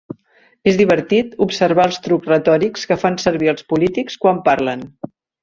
Es divertit observar els trucs retòrics que fan servir els polítics quan parlen.